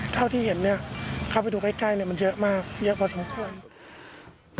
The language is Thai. เท่าที่เห็นเนี่ยเข้าไปดูใกล้มันเยอะมากเยอะพอสมควร